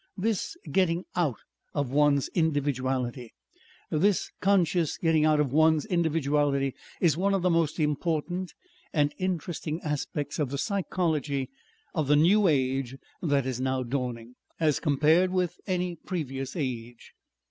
"This getting out of one's individuality this conscious getting out of one's individuality is one of the most important and interesting aspects of the psychology of the new age that is now dawning. As compared with any previous age.